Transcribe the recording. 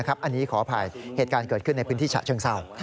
อันนี้ขออภัยเหตุการณ์เกิดขึ้นในพื้นที่ฉะเชิงเศร้า